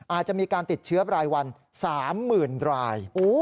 อาจจะมีการติดเชื้อรายวัน๓๐๐๐ราย